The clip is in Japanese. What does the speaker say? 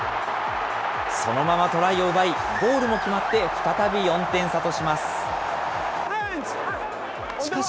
そのままトライを奪い、ゴールも決まって再び４点差とします。